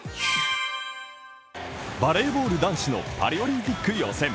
バレーボール男子のパリオリンピック予選。